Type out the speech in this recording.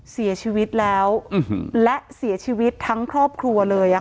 เสียชีวิตแล้วและเสียชีวิตทั้งครอบครัวเลย